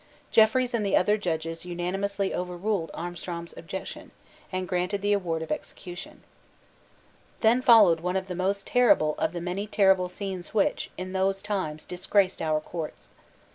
Jeffreys and the other judges unanimously overruled Armstrong's objection, and granted the award of execution. Then followed one of the most terrible of the many terrible scenes which, in those times, disgraced our Courts.